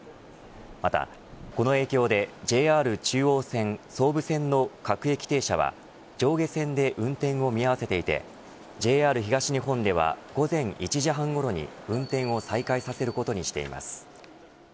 また、この影響でＪＲ中央線総武線の各駅停車は上下線で運転を見合わせていてＪＲ東日本では午前１時半ごろに運転を再開させることにしています。